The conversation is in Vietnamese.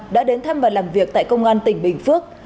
đã đến thăm và làm việc tại công an tỉnh bình phước